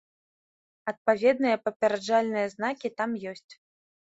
Адпаведныя папераджальныя знакі там ёсць.